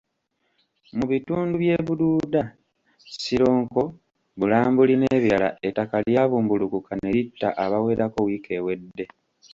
Mu bitundu by'e Bududa, Sironko, Bulambuli n'ebirala ettaka lyabumbulukuka ne litta abawerako wiiki ewedde.